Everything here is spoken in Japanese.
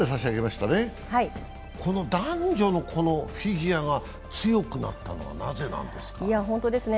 男女のフィギュアが強くなったのはなぜなんですか？